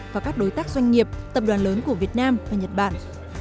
và các đối tác doanh nghiệp tập đoàn lớn của việt nam và nhật bản